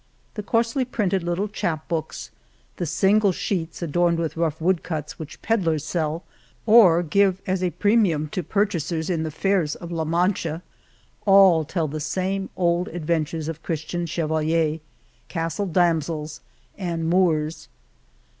The coarsely printed little chap books, the single sheets adorned with rough wood cuts which pedlers sell or give as a pre mium to purchasers in the fairs of La Mancha, all tell the same old adventures of Christian chevaliers, castle damsels and Moors.